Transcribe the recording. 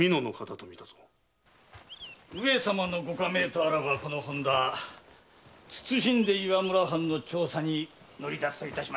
上様のご下命とあらばこの本多岩村藩の調査に乗り出しましょう。